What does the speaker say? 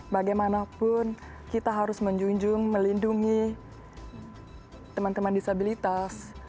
bagaimanapun kita harus menjunjung melindungi teman teman disabilitas